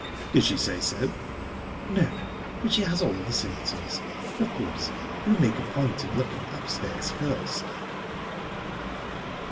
"Did she say so?" "No, but she has all the symptoms...Of course, you'll make a point of looking upstairs first."